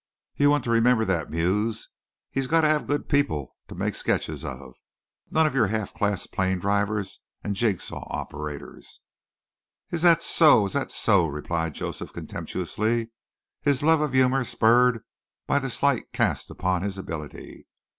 You want to remember that, Mews. He's gotta have good people to make sketches of. None o' your half class plane drivers and jig saw operators." "Is that so? Is that so?" replied Joseph contemptuously, his love of humor spurred by the slight cast upon his ability.